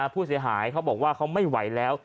ผู้เสียหายเขาบอกว่าเขาไม่ไหวแล้ว